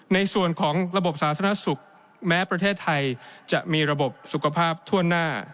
ในส่วนของระบบสาธารณสุขแม้ประเทศไทยจะมีระบบสุขภาพทั่วหน้า